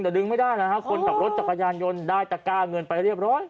แต่ดึงไม่ได้นะฮะคนขับรถจักรยานยนต์ได้ตะก้าเงินไปเรียบร้อย